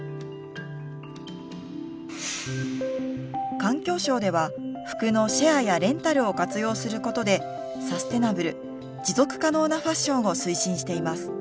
環境省では服のシェアやレンタルを活用することでサステナブル持続可能なファッションを推進しています。